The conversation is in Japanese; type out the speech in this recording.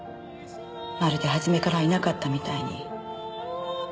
まるで初めからいなかったみたいに。